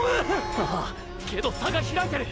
ああけど差がひらいてる！！